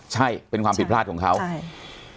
ใช่เป็นความผิดพลาดของเขาใช่